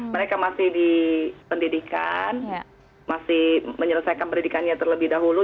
mereka masih di pendidikan masih menyelesaikan pendidikannya terlebih dahulu